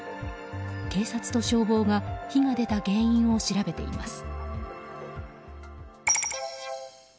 警察と消防が火が出た原因を調べています。